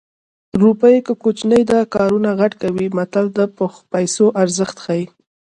روپۍ که کوچنۍ ده کارونه غټ کوي متل د پیسو ارزښت ښيي